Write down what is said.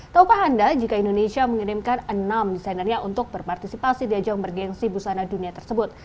taukah anda jika indonesia mengirimkan enam desainernya untuk berpartisipasi di ajang bergensi busana dunia tersebut